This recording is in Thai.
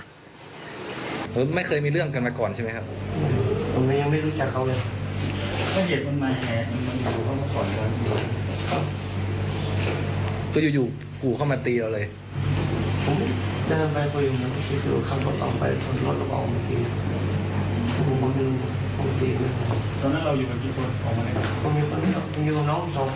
ในการที่บริเวณตามร่างกายพูดถึงร่างกายคุณก็ได้รองที่จำหนอ